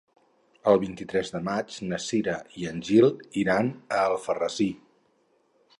El vint-i-tres de maig na Cira i en Gil iran a Alfarrasí.